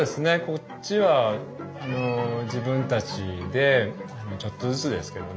こっちは自分たちでちょっとずつですけどね